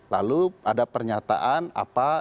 lalu ada pernyataan apa